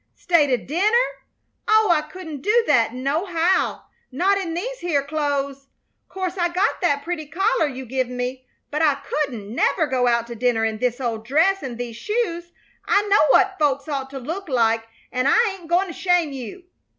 Stay to dinner! Oh, I couldn't do that nohow! Not in these here clo'es. 'Course I got that pretty collar you give me, but I couldn't never go out to dinner in this old dress an' these shoes. I know what folks ought to look like an' I ain't goin' to shame you."